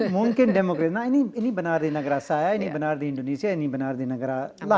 mungkin demokrat ini benar di negara saya ini benar di indonesia ini benar di negara lain